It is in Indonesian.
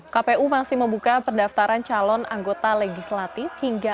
kpu masih membuka pendaftaran calon anggota legislatif hingga empat belas mei dua ribu dua puluh tiga